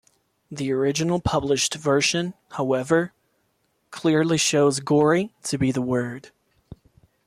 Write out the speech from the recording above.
The original published version, however, clearly shows "gory" to be the word.